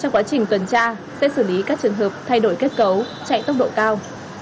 trong quá trình tuần tra sẽ xử lý các trường hợp thay đổi kết cấu chạy tốc độ cao